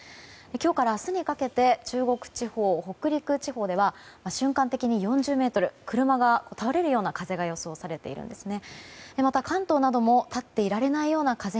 今日から明日にかけて中国地方、北陸地方では瞬間的に４０メートル車が倒れるような風が予想されているんですね。